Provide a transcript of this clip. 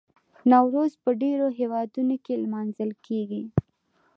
نوروز په ډیرو هیوادونو کې لمانځل کیږي.